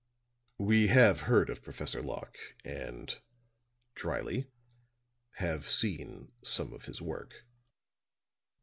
"We have heard of Professor Locke," and, drily, "have seen some of his work."